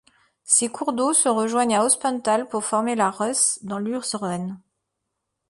Ces cours d'eau se rejoignent à Hospental pour former la Reuss dans l'Urseren.